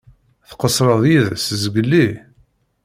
Tqeṣṣreḍ yid-s zgelli?